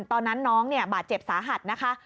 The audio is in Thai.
ตอนนั้นน้องบาดเจ็บสาหัสนะคะ